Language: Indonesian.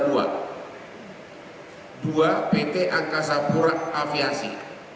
dua pt angkasa pura aviasi